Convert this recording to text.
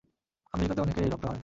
আমেরিকাতে অনেকের এই রোগটা হয়।